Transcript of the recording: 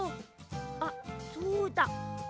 あっそうだ。